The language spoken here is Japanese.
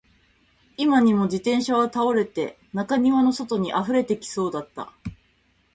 今にも自転車は倒れて、中庭の外に溢れてきそうだった